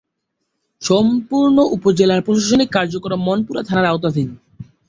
সম্পূর্ণ উপজেলার প্রশাসনিক কার্যক্রম মনপুরা থানার আওতাধীন।